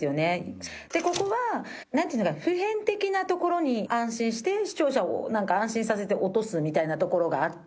でここはなんていうのかな普遍的なところに安心して視聴者をなんか安心させて落とすみたいなところがあって。